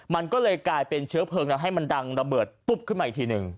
มันก็เลยกลายเป็นเชื้อเพลิงแล้วให้มันดังระเบิดปุ๊บขึ้นมาอีกทีหนึ่ง